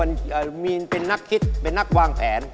มีนเป็นนักคิดเป็นนักวางแผน